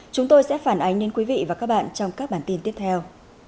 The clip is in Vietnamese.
chúng tôi sẽ phản ánh đến quý vị và các bạn trong các bản tin tiếp theo